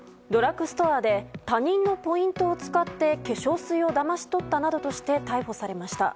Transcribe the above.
ドラッグストアで他人のポイントを使って化粧水をだまし取ったなどとして逮捕されました。